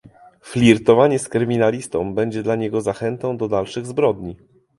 Flirtowanie z kryminalistą będzie dla niego zachętą do dalszych zbrodni